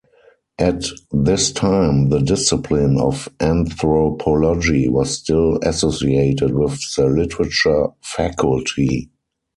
At this time the discipline of anthropology was still associated with the literature faculty.